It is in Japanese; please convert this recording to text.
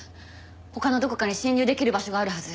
他のどこかに侵入できる場所があるはず。